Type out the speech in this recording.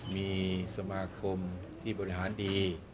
มีสมาคมที่บริหารดี